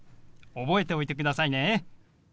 覚えておいてくださいね。